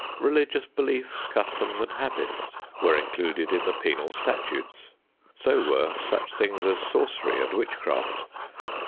Religious beliefs, customs and habits were included in the penal statutes. So were such things as sorcery and witchcraft.